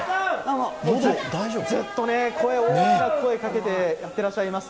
ずっと大きな声をかけてやっていらっしゃいます。